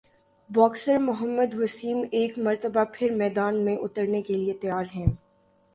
boxer Muhammad Waseem ایک مرتبہ پھر میدان میں اترنےکیلئے تیار ہیں